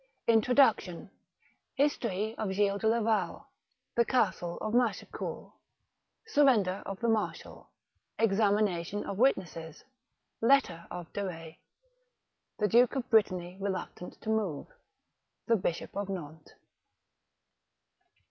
Introduction — Histoiy of Gilles de Laval — ^The Castle of Machecoul — Surrender of the Marshal — Examination of Witnesses — ^Letter of De Retz — ^The Duke of Brittany reluctant to move — The Bishop of Nantes.